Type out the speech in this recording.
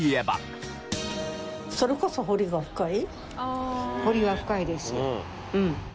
それこそ彫りが深い。